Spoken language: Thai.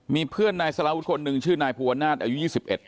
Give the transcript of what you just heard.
มีเพื่อนนายสลาวุธคนหนึ่งชื่อนายภูวนาศอายุ๒๑นะครับ